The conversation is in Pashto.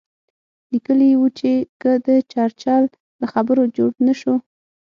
لیکلي یې وو چې که د چرچل له خبرو څه جوړ نه شو.